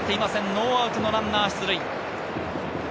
ノーアウトのランナー出塁。